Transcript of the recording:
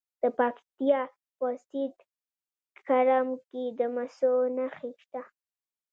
د پکتیا په سید کرم کې د مسو نښې شته.